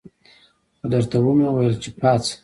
خو درته ومې ویل چې پاڅه.